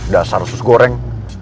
dasar sus goreng